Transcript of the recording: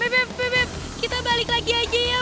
beb beb beb kita balik lagi aja ya